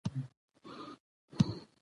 ماشوم له ملګرو سره ګډ کار ترسره کړ